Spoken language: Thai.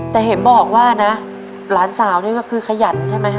แต่เห็นบอกว่าน่ะสาวนี้ก็คือขยันใช่มั้ยฮะ